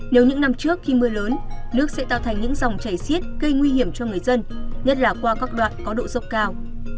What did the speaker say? nếu những năm trước khi mưa lớn nước sẽ tạo thành những dòng chảy xiết gây nguy hiểm cho người dân nhất là qua các đoạn có độ dốc cao